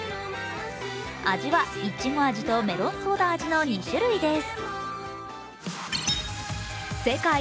味はイチゴ味とメロンソーダ味の２種類です。